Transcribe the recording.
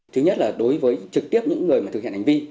thứ nhất là đối với trực tiếp những người mà thực hiện hành vi